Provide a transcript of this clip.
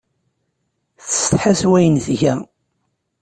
Tessetḥa s wayen tga.